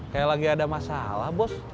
kayak lagi ada masalah bos